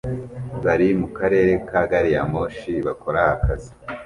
bari mukarere ka gariyamoshi bakora akazi